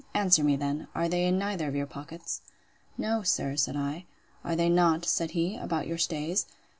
Answer me then, Are they in neither of your pockets? No, sir, said I. Are they not, said he, about your stays?